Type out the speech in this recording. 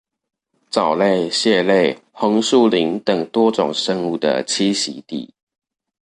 藻類、蟹類、紅樹林等多種生物的棲息地